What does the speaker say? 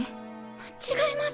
違います。